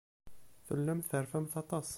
Tellamt terfamt aṭas.